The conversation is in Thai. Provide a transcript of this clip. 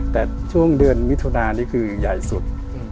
แต่ช่วงเดือนมิถุนานี่คือใหญ่สุด